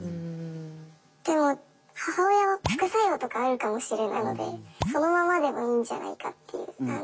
でも母親は副作用とかあるかもしれないのでそのままでもいいんじゃないかっていう。